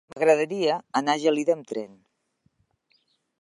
M'agradaria anar a Gelida amb tren.